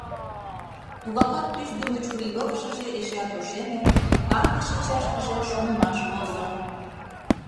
Тугакат тӱсдымӧ чурийвылышыже эшеат ошеме, канде шинчашкыже шонымаш возо.